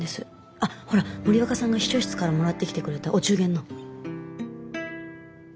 あっほら森若さんが秘書室からもらってきてくれたお中元の。